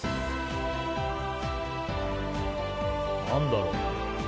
何だろう？